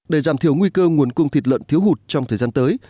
để giảm thiểu nguy cơ nguồn cung thịt lợn thiếu hụt trong thời gian tới